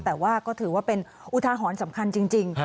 แต่ว่าก็ถือว่าเป็นอุทาหรณ์สำคัญจริง